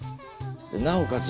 なおかつ